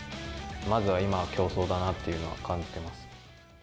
まずは今、競争だなっていうのは感じてます。